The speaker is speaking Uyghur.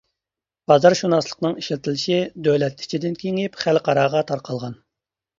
بازارشۇناسلىقنىڭ ئىشلىتىلىشى دۆلەت ئىچىدىن كېڭىيىپ خەلقئاراغا تارقالغان.